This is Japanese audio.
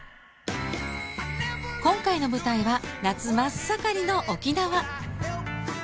今回の舞台は夏真っ盛りの沖縄。